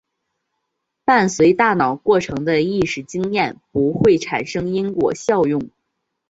伴随大脑过程的意识经验不会产生因果效用。